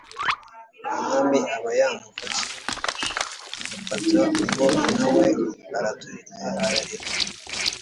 umwami aba yamufashe, amufata ubwo na we araturika ararira,